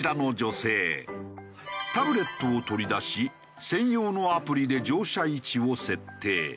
タブレットを取り出し専用のアプリで乗車位置を設定。